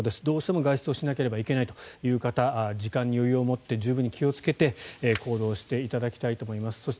どうしても外出をしなければいけないという方時間に余裕を持って十分に気をつけて行動していただきたいと思います。